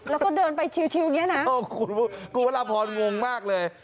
แล้วก็เดินไปทิวทิวอย่างเงี้ยนะโอ้โหกูกูละพรงงมากเลย